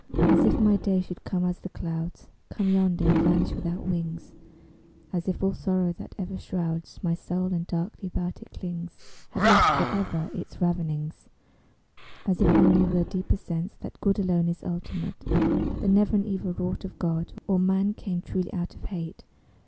As if my days should come as the clouds Come yonder and vanish without wings; As if all sorrow that ever shrouds My soul and darkly about it clings Had lost forever its ravenings. As if I knew with a deeper sense That good alone is ultimate; That never an evil wrought of God Or man came truly out of hate.